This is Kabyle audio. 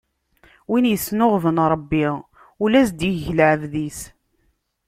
Win isnuɣben Ṛebbi, ula as-d-ig lɛebd-is.